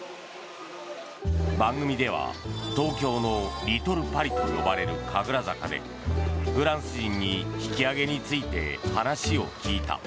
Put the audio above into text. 番組では東京のリトルパリと呼ばれる神楽坂でフランス人に引き上げについて話を聞いた。